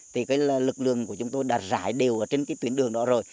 thì cái lực lượng của chúng tôi đã rải đều ở trên cái tuyến đường đó rồi